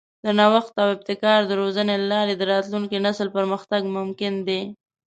د نوښت او ابتکار د روزنې له لارې د راتلونکي نسل پرمختګ ممکن دی.